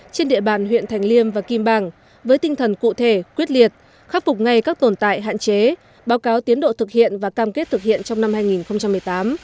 trên địa bàn huyện thành liêm và kim bằng với tinh thần cụ thể quyết liệt khắc phục ngay các tồn tại hạn chế báo cáo tiến độ thực hiện và cam kết thực hiện trong năm hai nghìn một mươi tám